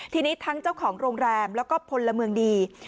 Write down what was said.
ทีนี้ทั้งเจ้าของโรงแรมแล้วก็พลเมืองดี